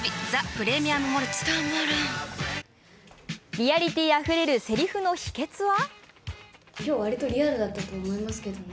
リアリティーあふれるせりふの秘けつは？